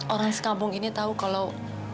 orang sekampung ini tahu kalau